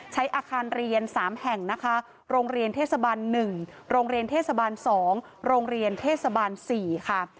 ใช้อาคารเรียน๓แห่งนะคะโรงเรียนเทศบาล๑โรงเรียนเทศบาล๒โรงเรียนเทศบาล๔ค่ะ